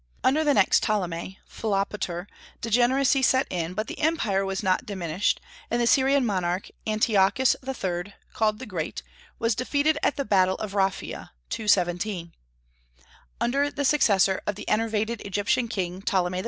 Under the next Ptolemy, Philopater, degeneracy set in; but the empire was not diminished, and the Syrian monarch Antiochus III., called the Great, was defeated at the battle of Raphia, 217. Under the successor of the enervated Egyptian king, Ptolemy V.